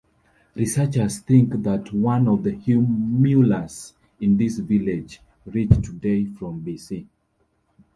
Researches think that one of humulus in this village reach today from b.c.